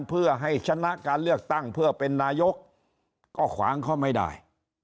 เพื่อให้ชนะการเลือกตั้งเพื่อเป็นนายกก็ขวางเขาไม่ได้